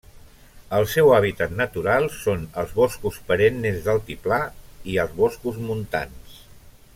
El seu hàbitat natural són els boscos perennes d'altiplà i els boscos montans.